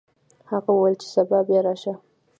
هغه وویل چې سبا بیا راشه.